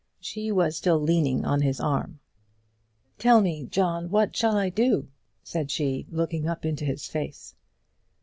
She was still leaning on his arm. "Tell me, John, what shall I do?" said she, looking up into his face.